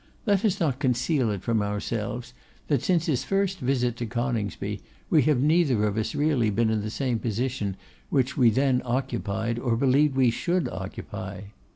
Let us not conceal it from ourselves that, since his first visit to Coningsby, we have neither of us really been in the same position which we then occupied, or believed we should occupy.